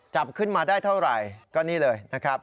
จับขึ้นมาได้เท่าไหร่ก็นี่เลยนะครับ